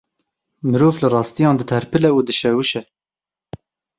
Mirov li rastiyan diterpile û dişewişe.